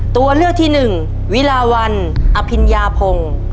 ตัวเลือกที่หนึ่งวิลาวันอภิญญาพงศ์